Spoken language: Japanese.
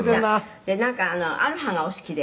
「なんかアロハがお好きで」